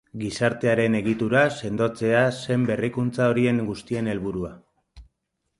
Gizartearen egitura sendotzea zen berrikuntza horien guztien helburua.